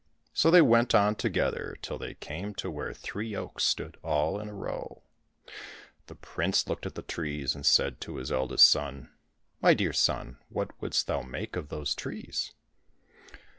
So they went on together till they came to where three oaks stood all in a row. The prince looked at the trees, and said to his eldest son, " My dear son, what wouldst thou make of those trees